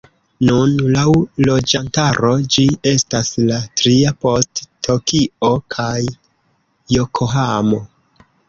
Nun laŭ loĝantaro ĝi estas la tria post Tokio kaj Jokohamo.